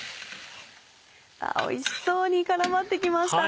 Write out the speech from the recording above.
おいしそうに絡まってきましたね。